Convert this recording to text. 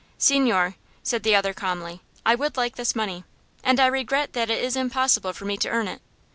"Signore," said the other, calmly, "I would like this money, and I regret that it is impossible for me to earn it.